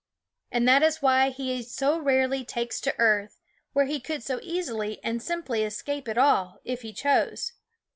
And that is why he so rarely takes to earth, where he could so easily and simply escape it all, if he chose.